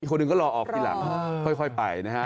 คนหนึ่งก็รอออกทีหลังค่อยไปนะฮะ